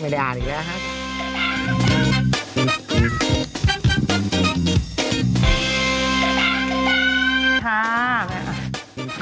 ไม่ได้อ่านอีกแล้วครับ